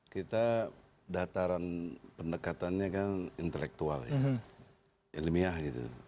kita dataran pendekatannya kan intelektual ya ilmiah gitu